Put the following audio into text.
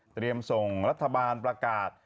เตรียมส่งรัฐบาลประกาศ